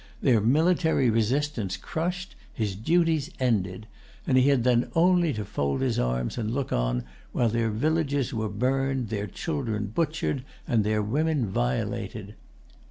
Their military resistance crushed, his duties ended; and he had then only to fold his arms and look on, while their villages were burned, their children butchered, and their women violated.